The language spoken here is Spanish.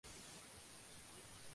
A la fuerza ahorcan